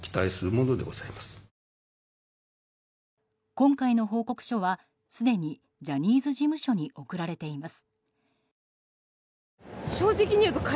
今回の報告書はすでにジャニーズ事務所に送られています。